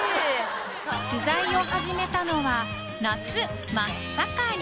取材を始めたのは夏真っ盛り